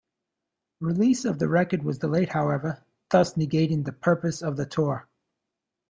Release of the record was delayed however, thus negating the purpose of the tour.